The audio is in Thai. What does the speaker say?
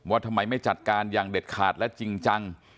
ทำไมไม่จัดการอย่างเด็ดขาดและจริงจัง